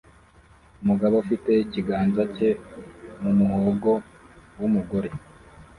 Umugabo ufite ikiganza cye mu muhogo w'umugore